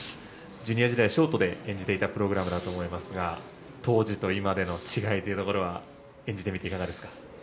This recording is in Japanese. ジュニア時代ショートで演じていたプログラムだと思いますが当時と今での違いというところは演じてみていかがですか。